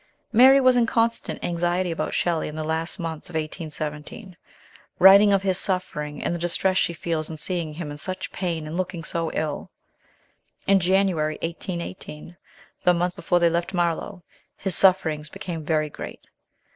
Mary was in constant anxiety about Shelley in the last months of 1817, writing of his suffering and the distress she feels in seeing him in such pain and looking so ill. In January 1818, the month before they left Marlow, his sufferings became very great.